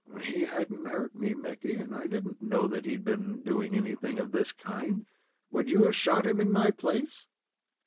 "He hadn't hurt me, Mickey, and I did n't know that he had been doing anything of this kind. Would you have shot him, in my place?"